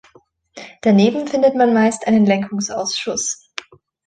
Daneben findet man meist einen Lenkungsausschuss.